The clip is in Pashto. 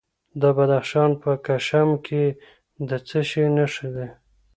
د بدخشان په کشم کې د څه شي نښې دي؟